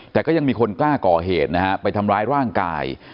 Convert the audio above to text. แต่ก็ยังมีคนกล้าก่อเหตุนะฮะไปทำร้ายร่างกาย